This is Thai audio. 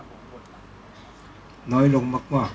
ก็ต้องทำอย่างที่บอกว่าช่องคุณวิชากำลังทำอยู่นั่นนะครับ